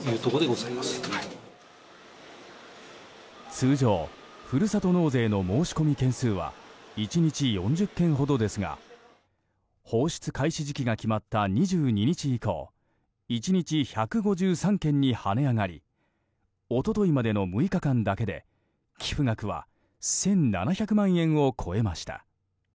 通常、ふるさと納税の申し込み件数は１日４０件ほどですが放出開始時期が決まった２２日以降１日１５３件に跳ね上がり一昨日までの６日間だけで寄付額は１７００万円を超えました。